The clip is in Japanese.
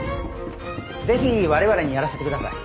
ぜひわれわれにやらせてください。